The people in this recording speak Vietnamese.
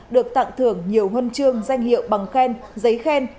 được tặng thưởng nhiều huân chương danh hiệu bằng khen giấy khen